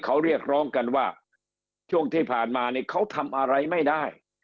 เขาเรียกร้องกันว่าช่วงที่ผ่านมาเนี่ยเขาทำอะไรไม่ได้